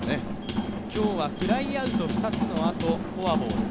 今日はフライアウト２つのあとフォアボール。